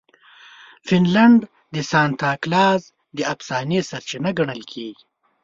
فنلنډ د سانتا کلاز د افسانې سرچینه ګڼل کیږي.